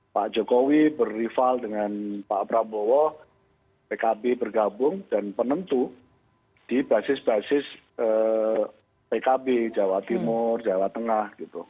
pak jokowi berival dengan pak prabowo pkb bergabung dan penentu di basis basis pkb jawa timur jawa tengah